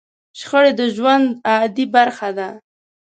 شخړې د ژوند عادي برخه ده.